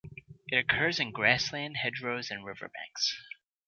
It occurs in grassland, hedgerows, and river banks.